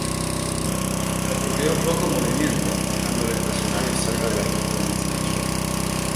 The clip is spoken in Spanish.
Ocurrió poco movimiento, dejándolo estacionario cerca de la costa de Manzanillo.